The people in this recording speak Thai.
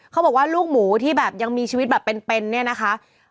เขาบอกว่าลูกหมูที่แบบยังมีชีวิตแบบเป็นเนี่ยนะคะ